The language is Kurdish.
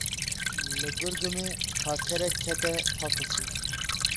Li Gurgumê karkerek kete patosê.